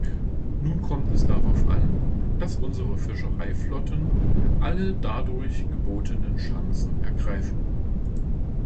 Nun kommt es darauf an, dass unsere Fischereiflotten alle dadurch gebotenen Chancen ergreifen.